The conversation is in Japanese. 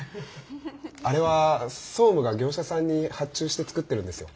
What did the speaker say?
あれは総務が業者さんに発注して作ってるんですよ。